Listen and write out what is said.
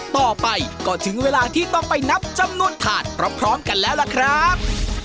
ต่อไปก็ถึงเวลาที่ต้องไปนับจำนวนถาดพร้อมกันแล้วล่ะครับ